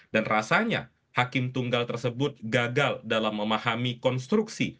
dan rasanya hakim tunggal tersebut gagal dalam memahami konstruksi